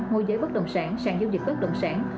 môi giới bất đồng sản sản giao dịch bất đồng sản